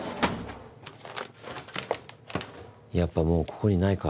やっぱもうここにないか。